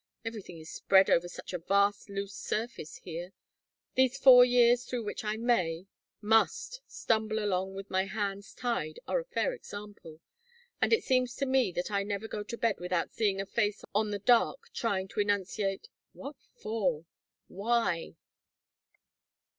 Everything is spread over such a vast loose surface here. These four years through which I may must stumble along with my hands tied, are a fair example. And it seems to me that I never go to bed without seeing a face on the dark trying to enunciate: 'What for?' 'Why?'"